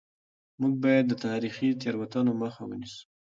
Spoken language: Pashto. موږ باید د تاریخي تېروتنو مخه ونیسو.